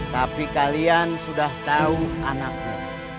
tapi kalian sudah tahu anaknya